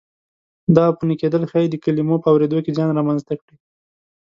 دا عفوني کېدل ښایي د کلمو په اورېدو کې زیان را منځته کړي.